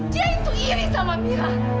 dia itu iri sama mira